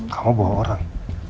kamu bawa orang